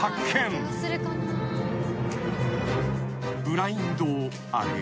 ［ブラインドを上げ］